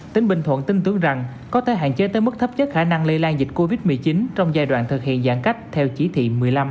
tỉnh bình thuận tin tưởng rằng có thể hạn chế tới mức thấp nhất khả năng lây lan dịch covid một mươi chín trong giai đoạn thực hiện giãn cách theo chỉ thị một mươi năm